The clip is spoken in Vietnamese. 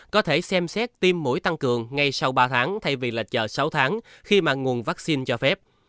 có thể xem xét tiêm mũi tăng cường ngay sau ba tháng thay vì là chờ sáu tháng khi mà nguồn vaccine cho phép